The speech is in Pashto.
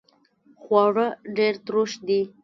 خواړه ډیر تروش دي